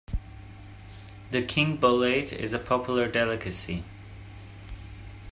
The king bolete is a popular delicacy.